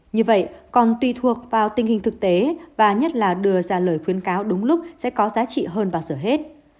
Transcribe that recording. như vậy còn tùy thuộc vào tình hình thực tế và nhất là đưa ra lời khuyên cáo đúng lúc sẽ có giá trị hơn bao giờ hết